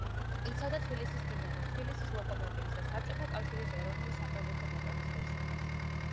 იცავდა თბილისის „დინამოს“, თბილისის „ლოკომოტივის“ და საბჭოთა კავშირის ეროვნული საფეხბურთო ნაკრების ღირსებას.